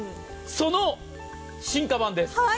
その進化版です。